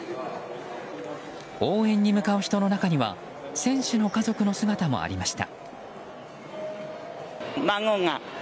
応援に向かう人の中には選手の家族の姿もありました。